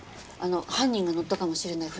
犯人が乗ったかもしれない船。